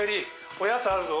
おやつあるぞ。